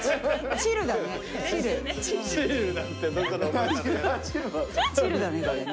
チルだねこれね。